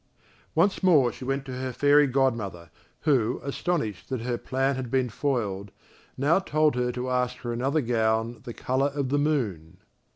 Once more she went to her Fairy godmother who, astonished that her plan had been foiled, now told her to ask for another gown the colour of the moon.